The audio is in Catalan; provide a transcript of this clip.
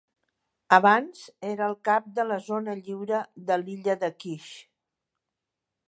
Abans era el cap de la zona lliure de l'illa de Kish.